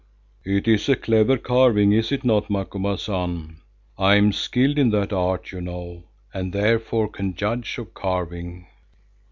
"It is a clever carving, is it not, Macumazahn? I am skilled in that art, you know, and therefore can judge of carving."